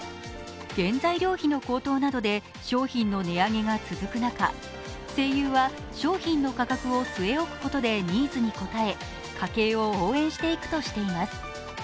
原材料費の高騰などで商品の値上げが続く中、西友は商品の価格を据え置くことでニーズに応え家計を応援していくとしています。